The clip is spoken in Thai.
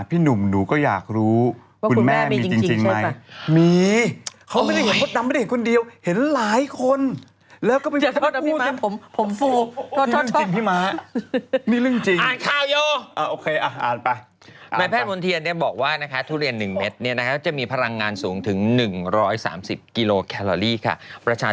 พี่หนุ่มหนูก็อยากรู้ว่าคุณแแม่มีจริงใช่ป่า